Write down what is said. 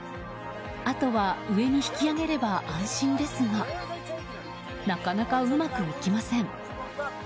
あとは、上に引き上げれば安心ですがなかなか、うまくいきません。